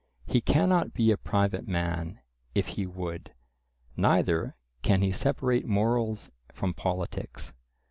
He cannot be a private man if he would; neither can he separate morals from politics.